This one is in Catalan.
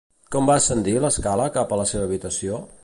Com va ascendir l'escala cap a la seva habitació?